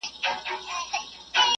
دا د نرتوب نښه هم کېدای شي.